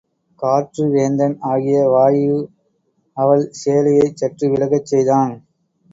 காற்று வேந்தன் ஆகிய வாயு அவள் சேலையைச் சற்று விலகச் செய்தான்.